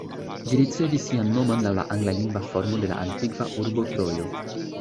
Ĝi ricevis sian nomon laŭ la anglalingva formo de la antikva urbo Trojo.